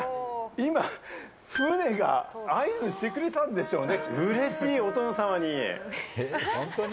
今、船が合図してくれたんでしょうね！